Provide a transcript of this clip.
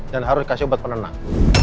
harus dikasih obat penenang